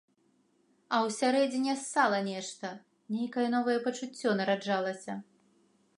А ўсярэдзіне ссала нешта, нейкае новае пачуццё раджалася.